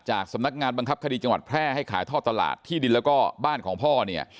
สำนักงานบังคับคดีจังหวัดแพร่ให้ขายท่อตลาดที่ดินแล้วก็บ้านของพ่อเนี่ย